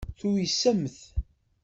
Tuysemt.